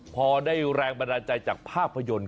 พอได้แรงบันดาลใจจากภาพยนตร์